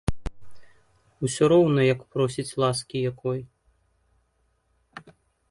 Усё роўна як просіць ласкі якой.